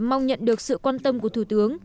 mong nhận được sự quan tâm của thủ tướng